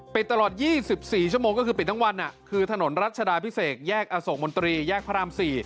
ตลอด๒๔ชั่วโมงก็คือปิดทั้งวันคือถนนรัชดาพิเศษแยกอโศกมนตรีแยกพระราม๔